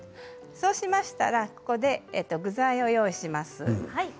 そうしたらここで具材を用意します。